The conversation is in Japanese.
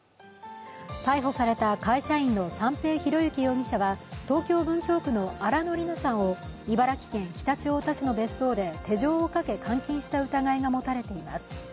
逮捕された会社員の三瓶博幸容疑者は東京・文京区の新野りなさんを茨城県常陸太田市の別荘で手錠をかけ監禁した疑いが持たれています。